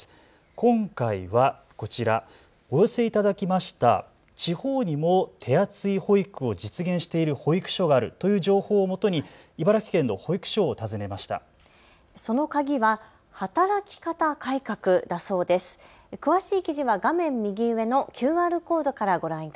今回はこちら、お寄せいただきました地方にも手厚い保育を実現している保育所があるという情報をもとに茨城県の保育所を訪ねました。